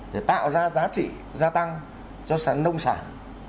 để tạo ra giá trị gia tăng cho sản nông sản